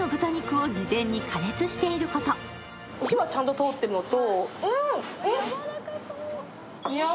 火はちゃんと通ってるのと。